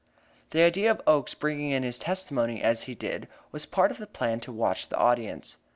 The idea of Oakes bringing in his testimony as he did was part of the plan to watch the audience.